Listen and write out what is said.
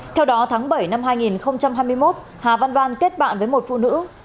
theo đó tháng bảy năm hai nghìn hai mươi một hà văn đoan kết bạn với một phụ nữ